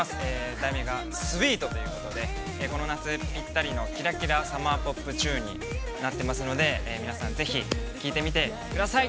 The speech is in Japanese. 題名が「Ｓｗｅｅｔ」ということでこの夏ぴったりのキラキラサマーポップチューンになっていますので皆さん、ぜひ聞いてみてください。